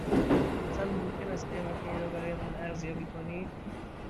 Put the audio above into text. لطفاً ممکن است قیمت این را برای من ارزیابی کنید؟